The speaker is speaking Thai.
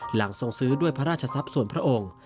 หลังทรงซื้อด้วยพระราชทรัพย์ส่วนพระองค์